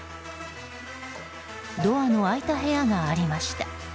ドアの開いた部屋がありました。